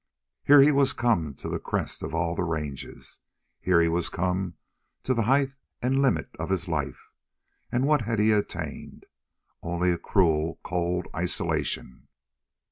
Here he was come to the crest of all the ranges; here he was come to the height and limit of his life, and what had he attained? Only a cruel, cold isolation.